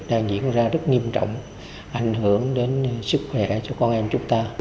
đang diễn ra rất nghiêm trọng ảnh hưởng đến sức khỏe cho con em chúng ta